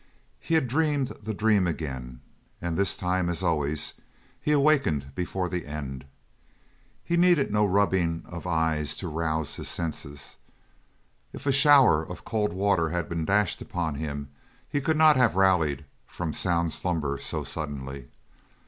He had dreamed the dream again, and this time, as always, he awakened before the end. He needed no rubbing of eyes to rouse his senses. If a shower of cold water had been dashed upon him he could not have rallied from sound slumber so suddenly.